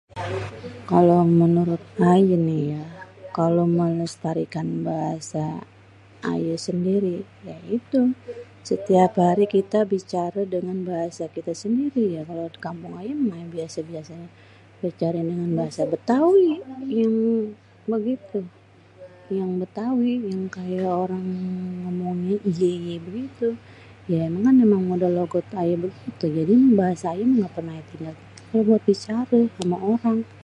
Kalo menurut ayé nih ya kalo melestarikan bahasa ayé sendiri ya itu. Setiap hari kita bicara dengan bahasa kita sendiri ya, kalo di kampung ayé mah biasanye bicaranye dengan bahasa Bétawi begitu, yang Bétawi yang kaya orang ngomongnye iyé iyé begitu. ya emang kan udah logat ayé begitu. Bahasa ayé mah gak pernah ditinggal-tinggal dicari sama orang.